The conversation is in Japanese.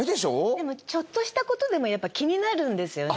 でもちょっとしたことでも気になるんですよね。